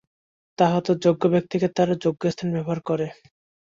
তা হত যোগ্য ব্যক্তিকে তার যোগ্যস্থানে ব্যবহার করে।